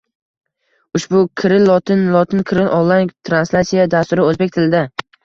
Ushbu kiril lotin, lotin kiril onlayn translatsiya dasturi o’zbek tilida